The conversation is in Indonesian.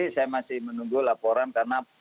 saya masih menunggu laporan karena